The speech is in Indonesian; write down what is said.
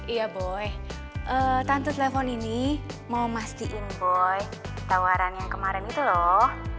iya boy tante telepon ini mau mas diinboy tawaran yang kemarin itu loh